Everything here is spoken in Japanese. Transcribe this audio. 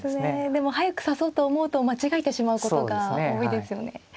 でも速く指そうと思うと間違えてしまうことが多いですよね。